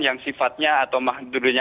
yang sifatnya atau mahadudnya akan lebih tinggi